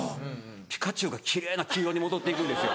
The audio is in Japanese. ピカチュウが奇麗な黄色に戻っていくんですよ。